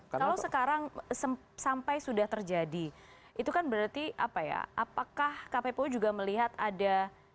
kalau sekarang sampai sudah terjadi itu kan berarti apa ya apakah kppu juga melihat ada